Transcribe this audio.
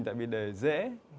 tại vì để dễ